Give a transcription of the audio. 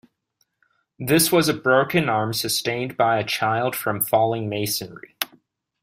This was a broken arm sustained by a child from falling masonry.